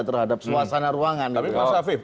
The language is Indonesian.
terhadap suasana ruangan tapi pak safif